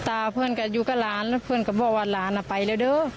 เพื่อนก็อยู่กับหลานแล้วเพื่อนก็บอกว่าหลานอ่ะไปแล้วเด้อ